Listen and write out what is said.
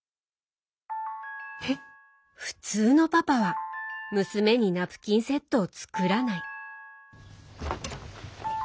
普通のパパは娘にナプキンセットを作らない。